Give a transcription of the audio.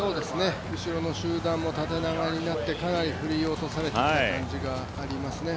後ろの集団も縦長になってかなり振り落とされた感じがありましたね。